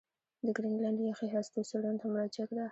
د ګرینلنډ یخي هستو څېړنو ته مراجعه ده